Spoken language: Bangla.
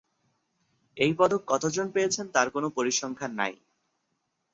এই পদক কতজন পেয়েছেন তার কোন পরিসংখ্যান নাই।